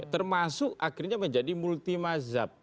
termasuk akhirnya menjadi multi mazhab